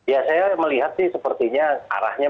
ya saya melihat sih sepertinya arahnya